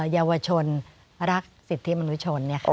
เยาวชนรักสิทธิมนุชน